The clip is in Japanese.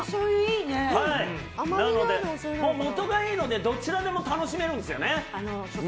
もとがいいのでどちらでも楽しめるんですよね。